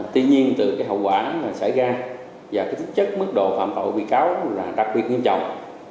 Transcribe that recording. tuy nhiên từ cái hậu quả xảy ra và cái tính chất mức độ phạm tội bị cáo là đặc biệt nghiêm trọng